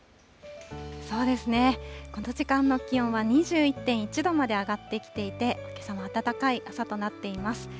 この時間の気温は２１．１度まで上がってきていて、けさも暖かい朝となっています。